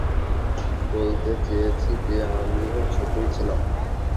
বলতে চেয়েছি, যে আমিও ছোটই ছিলাম।